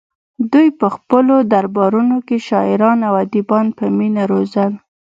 دوی په خپلو دربارونو کې شاعران او ادیبان په مینه روزل